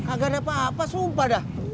enggak ada apa apa sumpah dah